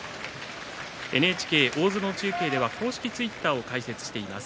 ＮＨＫ大相撲中継では公式ツイッターを開設しています。